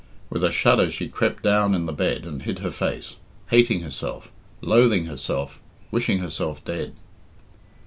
With a shudder she crept down in the bed and hid her face, hating herself, loathing herself, wishing herself dead.